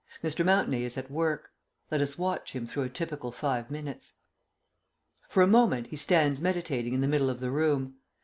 Mr. Mountenay is at work; let us watch him through a typical five minutes. For a moment he stands meditating in the middle of the room.